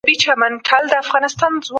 د ذهن وده په لوستلو کي ده.